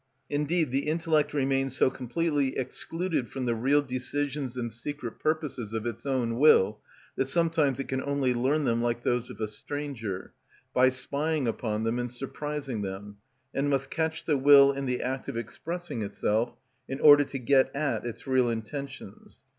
Indeed the intellect remains so completely excluded from the real decisions and secret purposes of its own will that sometimes it can only learn them like those of a stranger, by spying upon them and surprising them, and must catch the will in the act of expressing itself in order to get at its real intentions.